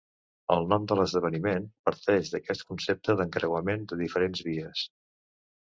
El nom de l'esdeveniment parteix d'aquest concepte d'encreuament de diferents vies.